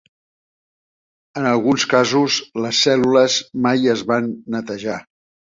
En alguns casos les cèl·lules mai es van netejar.